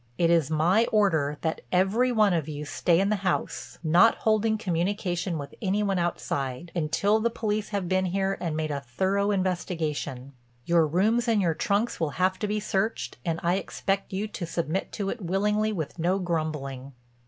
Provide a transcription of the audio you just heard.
It is my order that every one of you stay in the house, not holding communication with any one outside, until the police have been here and made a thorough investigation. Your rooms and your trunks will have to be searched and I expect you to submit to it willingly with no grumbling."